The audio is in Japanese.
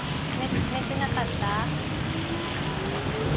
寝てなかった？